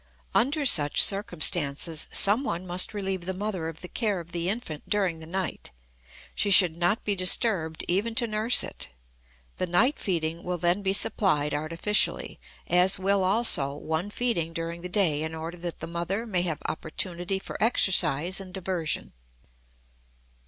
Under such circumstances someone must relieve the mother of the care of the infant during the night; she should not be disturbed even to nurse it. The night feeding will then be supplied artificially; as will also one feeding during the day in order that the mother may have opportunity for exercise and diversion.